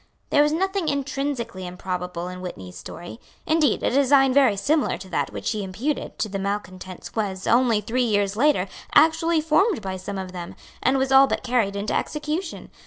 There was nothing intrinsically improbable in Whitney's story. Indeed a design very similar to that which he imputed to the malecontents was, only three years later, actually formed by some of them, and was all but carried into execution.